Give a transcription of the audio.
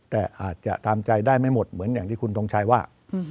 แต่อาจจะทำใจได้ไม่หมดเหมือนอย่างที่คุณทงชัยว่า